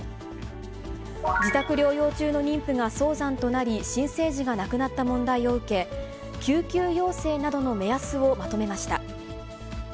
自宅療養中の妊婦が早産となり、新生児が亡くなった問題を受け、救急要請などの目安をまとめました。